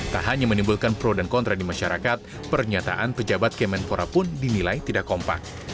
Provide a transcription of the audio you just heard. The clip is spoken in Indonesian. tak hanya menimbulkan pro dan kontra di masyarakat pernyataan pejabat kemenpora pun dinilai tidak kompak